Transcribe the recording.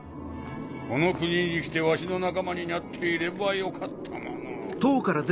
この国に来てわしの仲間ににゃっていればよかったものを。